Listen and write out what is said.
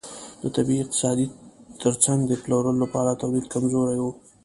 د طبیعي اقتصاد ترڅنګ د پلور لپاره تولید کمزوری و.